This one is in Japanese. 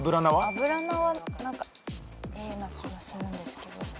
アブラナは何かＡな気がするんですけど。